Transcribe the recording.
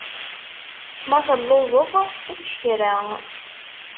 Ma telluẓeḍ, ečč kra.